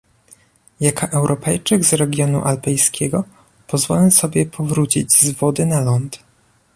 Jako Europejczyk z regionu alpejskiego pozwolę sobie powrócić z wody na ląd